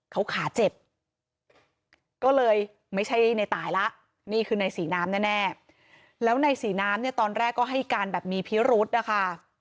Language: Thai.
เขาขาเจ็บก็เลยไม่ใช่ในตายละนี่คือในศรีน้ำแน่แล้วในศรีน้ำเนี่ยตอนแรกก็ให้การแบบมีพิรุธนะคะ